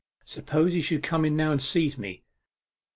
'Suppose he should come in now and seize me!